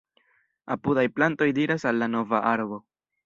Apudaj plantoj diras al la nova arbo: